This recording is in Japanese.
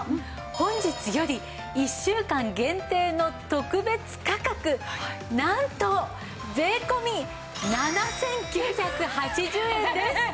本日より１週間限定の特別価格なんと税込７９８０円です！